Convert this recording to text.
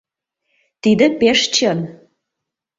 Тиде пеш чын.